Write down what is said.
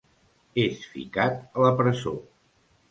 És ficat a la presó.